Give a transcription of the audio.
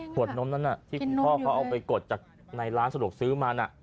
ขวดนมที่พ่อเขาไปกดล้างหลานสะดวกซื้อมา